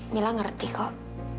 mila ngerti kok